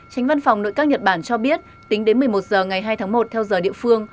tránh văn phòng nội các nhật bản cho biết tính đến một mươi một h ngày hai tháng một theo giờ địa phương